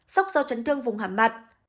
sốc do trấn thương vùng hàm mặt